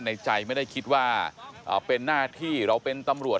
ในใจไม่ได้คิดว่าเป็นหน้าที่เราเป็นตำรวจ